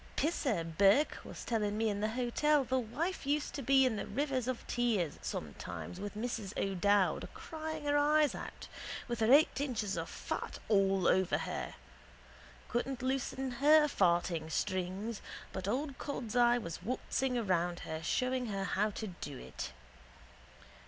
Pisser Burke was telling me in the hotel the wife used to be in rivers of tears some times with Mrs O'Dowd crying her eyes out with her eight inches of fat all over her. Couldn't loosen her farting strings but old cod's eye was waltzing around her showing her how to do it.